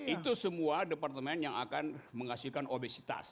itu semua departemen yang akan menghasilkan obesitas